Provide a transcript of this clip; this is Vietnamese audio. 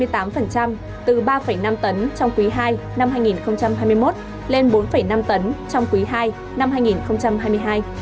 từ ba năm tấn trong quý ii năm hai nghìn hai mươi một lên bốn năm tấn trong quý ii năm hai nghìn hai mươi hai